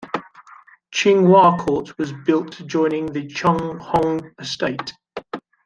Ching Wah Court was built adjoining to Cheung Hong Estate.